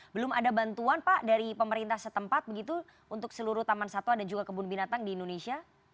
belum ada bantuan pak dari pemerintah setempat begitu untuk seluruh taman satwa dan juga kebun binatang di indonesia